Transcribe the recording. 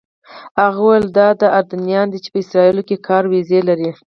هغه وویل دا اردنیان دي چې په اسرائیلو کې کاري ویزې لري.